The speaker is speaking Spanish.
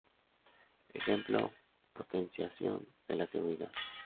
Ejemplo: Potenciación de la seguridad.